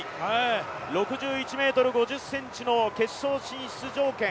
６１ｍ５０ｃｍの決勝進出条件